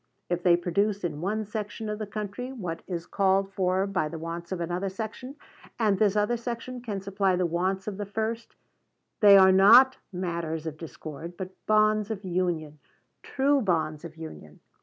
If they produce in one section of the country what is called for by the wants of another section, and this other section can supply the wants of the first, they are not matters of discord, but bonds of union, true bonds of union.